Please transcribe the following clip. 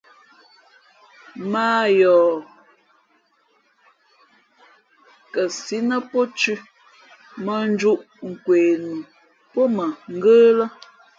Mᾱ a yoh kαsǐ nά pó thʉ̄ mᾱ njūʼ kwe nu pó mα ngə́ lά.